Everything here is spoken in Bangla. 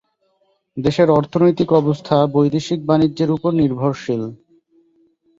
দেশের অর্থনৈতিক অবস্থা বৈদেশিক বাণিজ্যের উপর নির্ভরশীল।